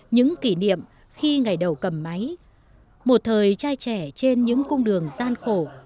những kỷ niệm khi ngày đầu cầm máy một thời trai trẻ trên những cung đường gian khổ